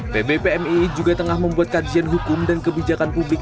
pbpmi juga tengah membuat kajian hukum dan kebijakan publik